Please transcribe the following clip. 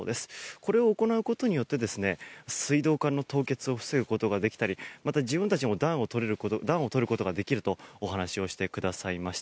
これを行うことによって水道管の凍結を防ぐことができたりまた自分たちも暖をとることができるとお話をしてくださいました。